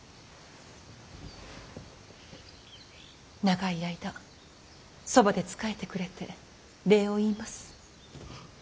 長い間そばで仕えてくれて礼を言います。